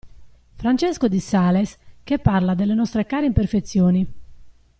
Francesco di Sales, che parla delle nostre care imperfezioni.